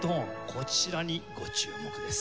こちらにご注目です。